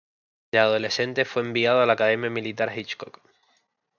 De adolescente fue enviado a la Academia Militar Hitchcock.